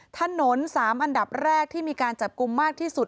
ถนน๓อันดับแรกที่มีการจับกลุ่มมากที่สุด